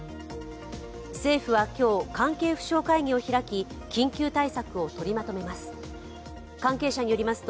政府は今日、関係府省会議を開き、緊急対策を取りまとめます。